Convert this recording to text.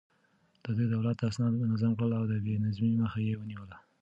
ده د دولت اسناد منظم کړل او د بې نظمۍ مخه يې ونيوله.